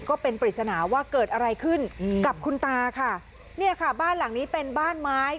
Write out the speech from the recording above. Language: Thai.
ก็เป็นปริศนาว่าเกิดอะไรขึ้นกับคุณตาค่ะเนี่ยค่ะบ้านหลังนี้เป็นบ้านไม้